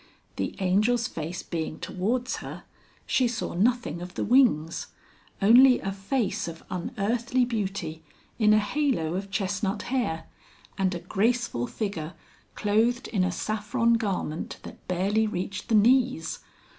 The Angel's face being towards her she saw nothing of the wings. Only a face of unearthly beauty in a halo of chestnut hair, and a graceful figure clothed in a saffron garment that barely reached the knees.